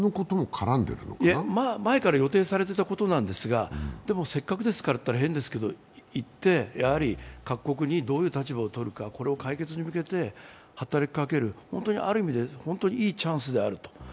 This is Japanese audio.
前から予定されていたことなんですが、せっかくですから大変ですけど、行って、各国にどういう立場を取るか、これを解決に向けて働きかける、ある意味で本当にいいチャンスであると。